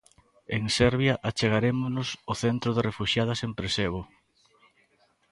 En Serbia achegarémonos o centro de refuxiadas en Presevo.